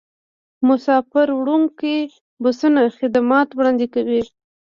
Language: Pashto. مسافروړونکي بسونه خدمات وړاندې کوي